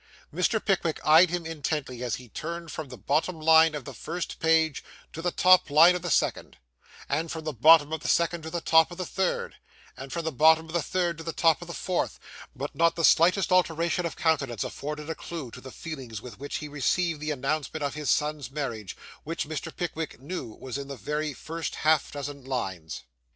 Mr. Pickwick eyed him intently as he turned from the bottom line of the first page to the top line of the second, and from the bottom of the second to the top of the third, and from the bottom of the third to the top of the fourth; but not the slightest alteration of countenance afforded a clue to the feelings with which he received the announcement of his son's marriage, which Mr. Pickwick knew was in the very first half dozen lines.